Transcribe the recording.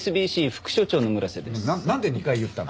ななんで２回言ったの？